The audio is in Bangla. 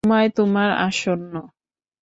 সময় তোমার আসন্ন।